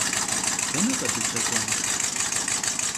Дэнэ-тӏэ дыздэкӏуэнур?